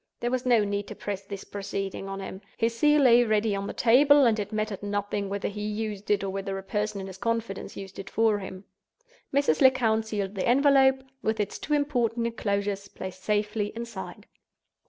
There was no need to press this proceeding on him. His seal lay ready on the table, and it mattered nothing whether he used it, or whether a person in his confidence used it for him. Mrs. Lecount sealed the envelope, with its two important inclosures placed safely inside.